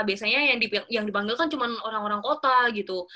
biasanya yang dipanggil kan cuma orang orang kota gitu